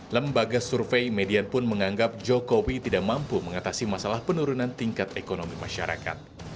lembaga survei median pun menganggap jokowi tidak mampu mengatasi masalah penurunan tingkat ekonomi masyarakat